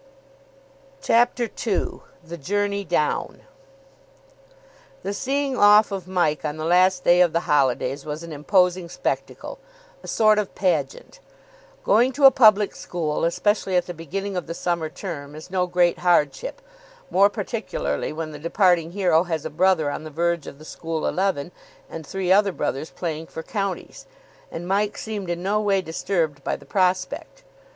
CHAPTER II THE JOURNEY DOWN The seeing off of Mike on the last day of the holidays was an imposing spectacle, a sort of pageant. Going to a public school, especially at the beginning of the summer term, is no great hardship, more particularly when the departing hero has a brother on the verge of the school eleven and three other brothers playing for counties; and Mike seemed in no way disturbed by the prospect.